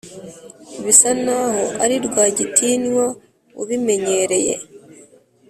bisanaho ari rwagitinywa ubimenyereye